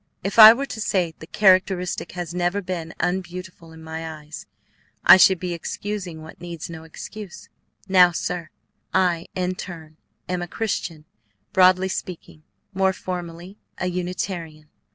If I were to say the characteristic has never been unbeautiful in my eyes, I should be excusing what needs no excuse. Now, sir, I, in turn, am a Christian broadly speaking; more formally, a Unitarian.